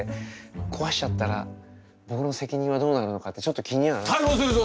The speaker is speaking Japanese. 壊しちゃったら僕の責任はどうなるのかってちょっと気には。逮捕するぞ！